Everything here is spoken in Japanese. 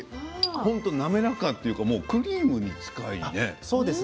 本当に滑らかというかクリームに近いね。